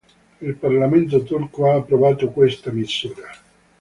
Il parlamento turco ha approvato questa misura.